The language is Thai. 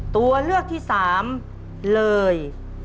ตัวเลือกที่๓เลย